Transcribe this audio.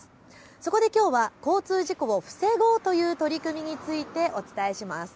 そこできょうは交通事故を防ごうという取り組みについてお伝えします。